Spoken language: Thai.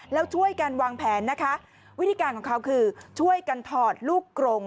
แล้วช่วยกันวางแผนนะคะวิธีการของเขาคือช่วยกันถอดลูกกรง